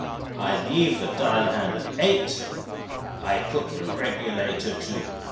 I leave the dial hand at eight; I put back the regulator to I.